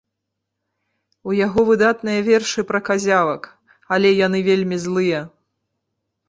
У яго выдатныя вершы пра казявак, але яны вельмі злыя.